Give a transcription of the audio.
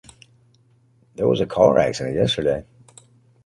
There was a car accident yesterday.